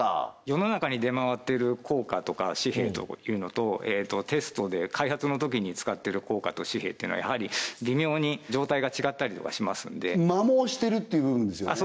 世の中に出回ってる硬貨とか紙幣というのとテストで開発のときに使ってる硬貨と紙幣っていうのはやはり微妙に状態が違ったりとかしますんで摩耗してるっていう部分ですよね？